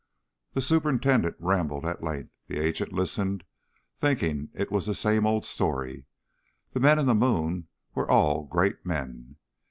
The superintendent rambled at length. The agent listened, thinking it was the same old story. The men in the moon were all great men.